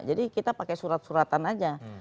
kita pakai surat suratan aja